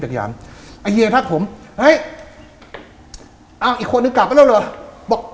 อย่างไอ้เฮียทักผมเฮ้ยอ้าวอีกคนนึงกลับไปแล้วเหรอบอก